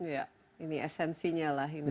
ya ini esensinya lah